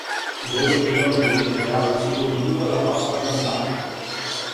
Veuen que hi ha un perill real si continua la vostra campanya.